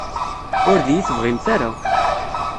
Ur d-iyi-tebɣimt ara?